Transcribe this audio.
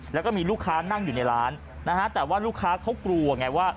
แล้วก็มีลูกค้านั่งอยู่ในร้านนะฮะแต่ว่าลูกค้าเขากลัวไงว่า